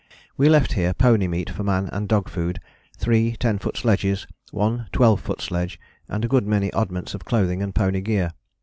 We left here pony meat for man and dog food, three ten foot sledges, one twelve foot sledge, and a good many oddments of clothing and pony gear.